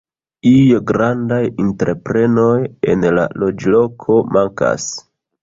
Iuj grandaj entreprenoj en la loĝloko mankas.